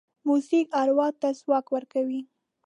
موزیک اروا ته ځواک ورکوي.